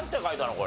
これ。